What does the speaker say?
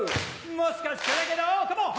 もしかしてだけどカモン！